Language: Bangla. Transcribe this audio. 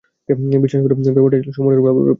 বিশ্বাস করুন, ব্যাপারটা ছিলো সম্পূর্ণরূপে অবিশ্বাস্য।